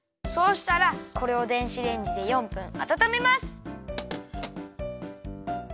そうしたらこれを電子レンジで４分あたためます。